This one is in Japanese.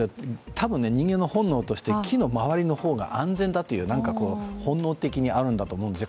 多分人間の本能として木の周りの方が安全だと本能的にあると思うんですよ。